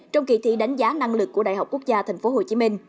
trong kỳ thi đánh giá năng lực của đại học quốc gia tp hcm